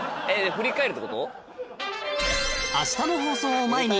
振り返るってこと？